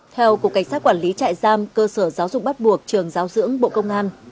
theo cục cảnh sát quản lý trại giam cơ sở giáo dục bắt buộc trường giáo dưỡng bộ công an